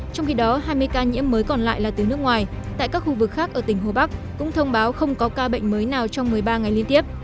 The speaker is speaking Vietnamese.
trong khi đó hai mươi ca nhiễm mới còn lại là từ nước ngoài tại các khu vực khác ở tỉnh hồ bắc cũng thông báo không có ca bệnh mới nào trong một mươi ba ngày liên tiếp